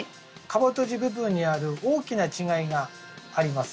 皮とじ部分にある大きな違いがあります。